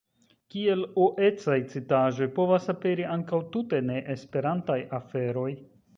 Kiel O-ecaj citaĵoj povas aperi ankaŭ tute ne-Esperantaj aferoj.